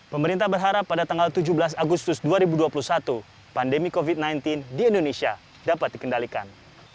pemerintah berharap pada tanggal tujuh belas agustus dua ribu dua puluh satu pandemi covid sembilan belas di indonesia dapat dikendalikan